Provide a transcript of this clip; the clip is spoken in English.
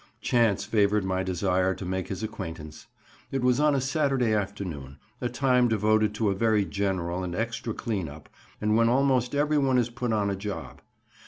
Chance favoured my desire to make his acquaintance. It was on a Saturday afternoon, a time devoted to a very general and extra clean up, and when almost everyone is put on a job.